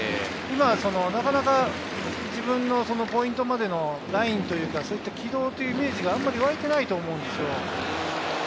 今、なかなか自分のポイントまでのラインというか、軌道というイメージがあんまり湧いてないと思うんですよ。